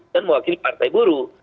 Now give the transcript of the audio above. dan mewakili partai buruh